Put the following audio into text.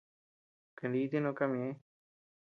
Kaniti noo kama ñeʼe.